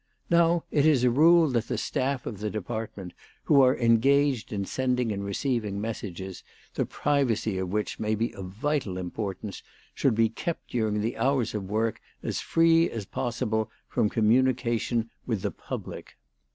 Now it is a rule that the staff of the department who are engaged in sending and receiving messages, the privacy of which may be of vital importance, should be kept during the hours of work as free as possible from communication with the public.